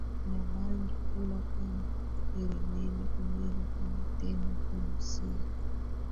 na bangi kula kama peremende kumeza kama tembe kunusia